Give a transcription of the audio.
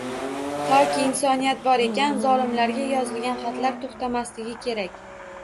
Toki insoniyat bor ekan, zolimlarga yozilgan xatlar to’xtamasligi kerak…